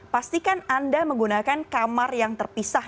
pastikan anda menggunakan kamar yang terpisah